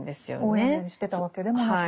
応援してたわけでもなく。